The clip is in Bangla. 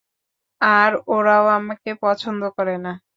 আর ওরাও আমাকে পছন্দ করেনা।